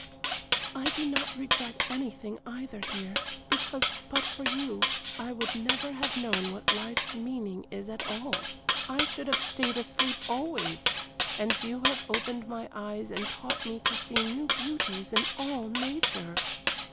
I do not regret anything either, dear, because, but for you, I would never have known what life's meaning is at all I should have stayed asleep always; and you have opened my eyes and taught me to see new beauties in all nature.